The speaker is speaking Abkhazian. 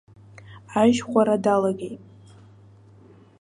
Ажь хәара далагеит.